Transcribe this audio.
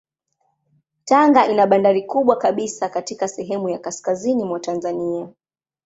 Tanga ina bandari kubwa kabisa katika sehemu ya kaskazini mwa Tanzania.